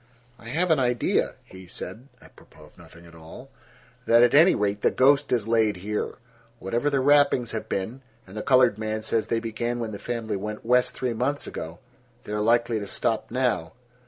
"I have an idea," he said, apropos of nothing at all, "that at any rate the ghost is laid here. Whatever the rappings have been—and the colored man says they began when the family went west three months ago—they are likely to stop now."